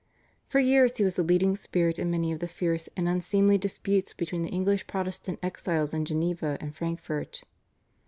For years he was the leading spirit in many of the fierce and unseemly disputes between the English Protestant exiles in Geneva and Frankfurt.